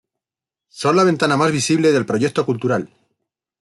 Son la ventana más visible del proyecto cultural.